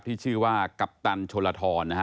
ที่ชื่อว่ากัปตันชนลทรนะฮะ